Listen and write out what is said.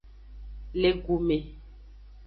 Le gu me.